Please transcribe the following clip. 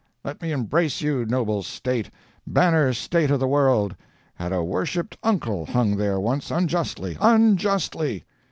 "'Let me embrace you, noble State—banner State of the world. Had a worshipped uncle hung there once unjustly—unjustly.